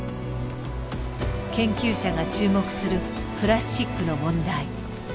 研究者が注目するプラスチックの問題。